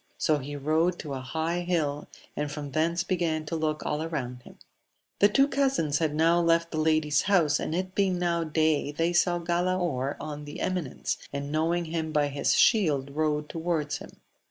' So he rode to a high hill, and from thence began to look all round himu The two cousins had now left the lady's house, and it being now day they saw Galaor on the eminence, and knowing him by his shield rode towards him.